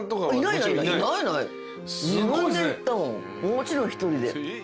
もちろん一人で。